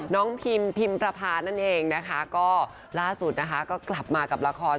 พิมพิมประพานั่นเองนะคะก็ล่าสุดนะคะก็กลับมากับละคร